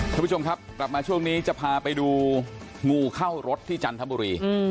คุณผู้ชมครับกลับมาช่วงนี้จะพาไปดูงูเข้ารถที่จันทบุรี